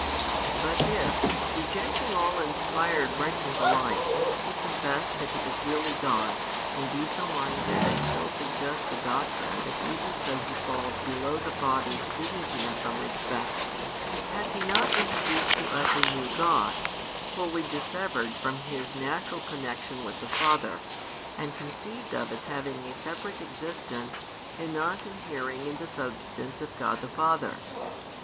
But if, rejecting all inspired writings alike, he confess that He is really God, and be so minded and still suggest the doctrine that even so He falls below the Father's dignity in some respect, has he not introduced to us a new God, wholly dissevered from His natural connexion with the Father, and conceived of as having a separate existence and not inhering in the substance of God the Father?